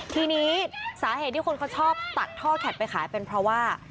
ทีนี้สาเหตุที่คนเขาชอบตัดท่อแข็ดไปขายเป็นเพราะว่า